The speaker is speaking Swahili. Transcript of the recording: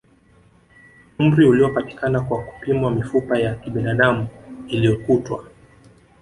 Umri uliopatikana kwa kupimwa mifupa ya kibinadamu iliyokutwa